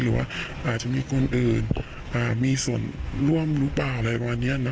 หรือว่าอาจจะมีคนอื่นมีส่วนร่วมหรือเปล่าอะไรประมาณนี้